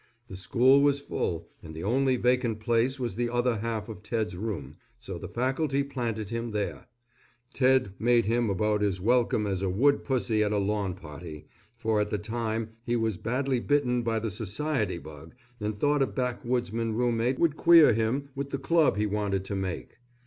The school was full, and the only vacant place was the other half of Ted's room, so the faculty planted him there. Ted made him about as welcome as a wood pussy at a lawn party, for at the time he was badly bitten by the society bug and thought a backwoodsman roommate would queer him with the club he wanted to make.